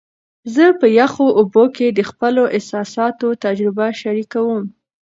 زه په یخو اوبو کې د خپلو احساساتو تجربه شریکوم.